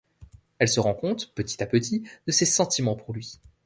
Elle se rend compte, petit à petit, de ses sentiments pour lui.